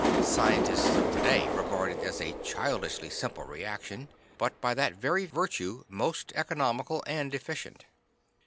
Scientists of today regard it as a childishly simple reaction, but by that very virtue, most economical and efficient.